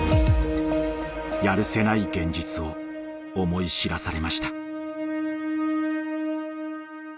やるせない現実を思い知らされました。